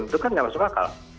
itu kan nggak masuk akal